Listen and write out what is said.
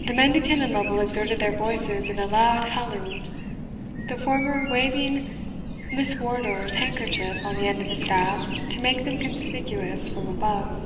The mendicant and Lovel exerted their voices in a loud halloo, the former waving Miss Wardour's handkerchief on the end of his staff to make them conspicuous from above.